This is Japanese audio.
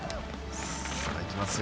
さあ行きますよ。